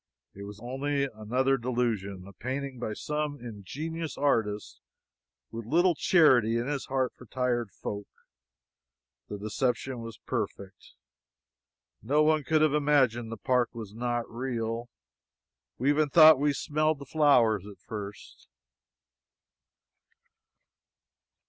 It was only another delusion a painting by some ingenious artist with little charity in his heart for tired folk. The deception was perfect. No one could have imagined the park was not real. We even thought we smelled the flowers at first.